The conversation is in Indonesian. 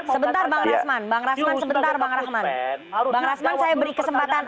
sebentar bang rasman bang rasman saya beri kesempatan